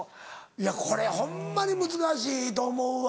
いやこれホンマに難しいと思うわ。